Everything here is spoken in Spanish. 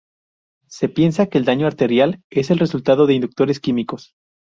Se piensa que el daño arterial es el resultado de inductores químicos.